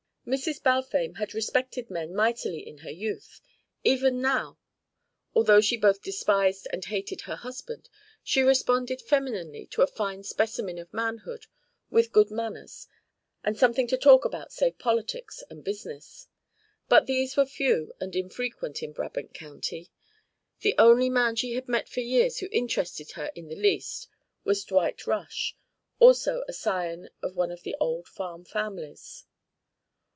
Mrs. Balfame had respected men mightily in her youth. Even now, although she both despised and hated her husband, she responded femininely to a fine specimen of manhood with good manners and something to talk about save politics and business. But these were few and infrequent in Brabant County. The only man she had met for years who interested her in the least was Dwight Rush, also a scion of one of the old farm families.